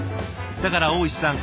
だから大石さん